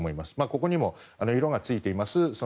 ここにも色がついています